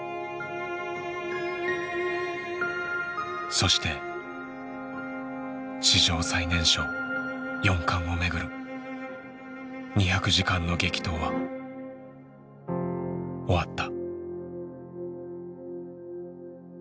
そして史上最年少四冠を巡る２００時間の激闘は終わった。